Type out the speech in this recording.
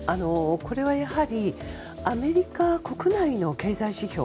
これはやはりアメリカ国内の経済指標